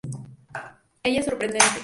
Ella es sorprendente.